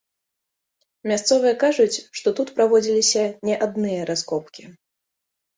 Мясцовыя кажуць, што тут праводзіліся не адныя раскопкі.